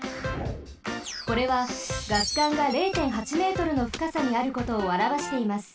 これはガス管が０．８Ｍのふかさにあることをあらわしています。